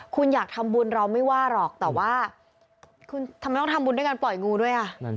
คุณอยากทำบุญเราไม่ว่าหรอกแต่ว่าคุณทำไมต้องทำบุญด้วยการปล่อยงูด้วยอ่ะ